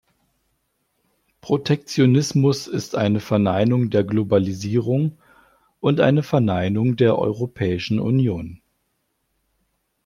Protektionismus ist eine Verneinung der Globalisierung und eine Verneinung der Europäischen Union.